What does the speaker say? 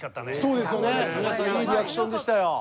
いいリアクションでしたよ。